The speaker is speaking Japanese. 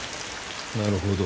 なるほど。